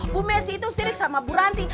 bu messi itu sirip sama bu ranti